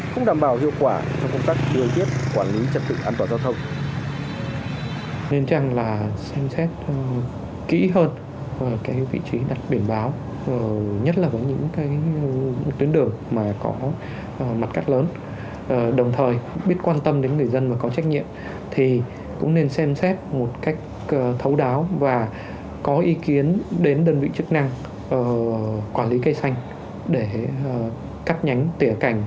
không đảm bảo hiệu quả trong công tác đương tiết quản lý trật tự an toàn giao thông